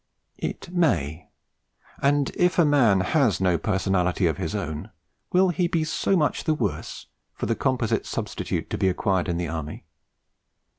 It may: and if a man has no personality of his own, will he be so much the worse for the composite substitute to be acquired in the Army?